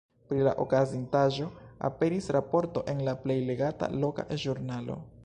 Pri la okazintaĵo aperis raporto en la plej legata loka ĵurnalo.